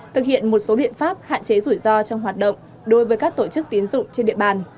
thực hiện một số biện pháp hạn chế rủi ro trong hoạt động đối với các tổ chức tiến dụng trên địa bàn